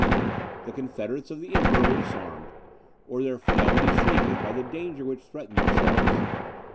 The confederates of the Emperor were disarmed, or their fidelity shaken by the danger which threatened themselves.